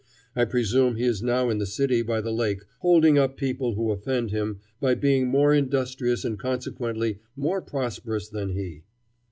I presume he is now in the city by the lake holding up people who offend him by being more industrious and consequently more prosperous than he.